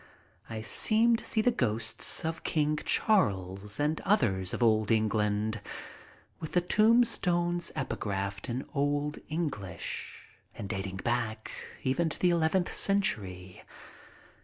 I seem to see the ghosts of King Charles and others of old England with the tombstones epitaphed in Old English and dating back even to the eleventh century.